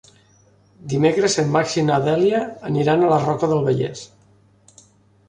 Dimecres en Max i na Dèlia aniran a la Roca del Vallès.